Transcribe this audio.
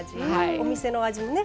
お店の味にね